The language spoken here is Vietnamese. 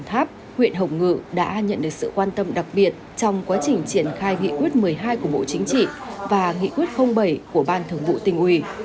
đồng tháp huyện hồng ngự đã nhận được sự quan tâm đặc biệt trong quá trình triển khai nghị quyết một mươi hai của bộ chính trị và nghị quyết bảy của ban thường vụ tỉnh ủy